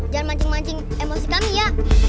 jangan mancing mancing emosi kami ya